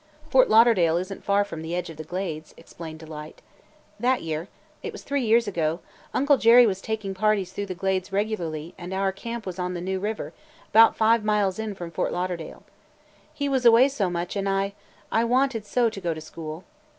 "Fort Lauderdale is n't far from the edge of the Glades," explained Delight. "That year – it was three years ago – Uncle Jerry was taking parties through the Glades regularly and our camp was on the New River, 'bout five miles in from Fort Lauderdale. He was away so much and I – I wanted so to go to school.